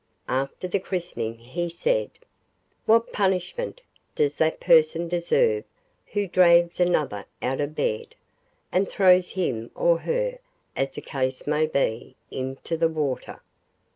After the christening he said: 'What punishment does that person deserve who drags another out of bed, and throws him or her, as the case may be, into the water?